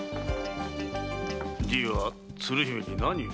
じいは鶴姫に何を？